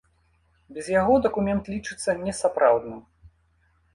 Без яго дакумент лічыцца несапраўдным.